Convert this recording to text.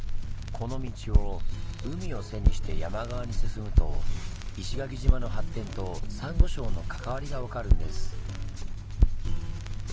この道を海を背にして山側に進むと石垣島の発展とサンゴ礁の関わりが分かるんです。